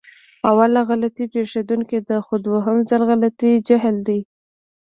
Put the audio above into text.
اوله غلطي پېښدونکې ده، خو دوهم ځل غلطي جهل دی.